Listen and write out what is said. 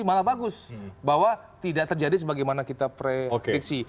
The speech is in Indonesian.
malah bagus bahwa tidak terjadi sebagaimana kita prediksi